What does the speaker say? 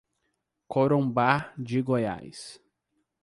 Corumbá de Goiás